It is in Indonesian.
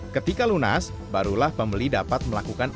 ketika lunas barulah pembeli dapat melakukan